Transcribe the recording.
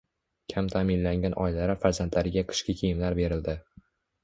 Kam ta’minlangan oilalar farzandlariga qishki kiyimlar berildi